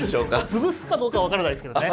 潰すかどうか分からないですけどね。